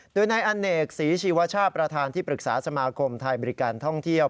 โดยนายอเนกศรีชีวชาติประธานที่ปรึกษาสมาคมไทยบริการท่องเที่ยว